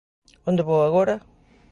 Onde vou agora?